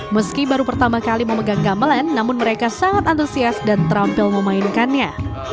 meski baru pertama kali memegang gamelan namun mereka sangat antusias dan terampil memainkannya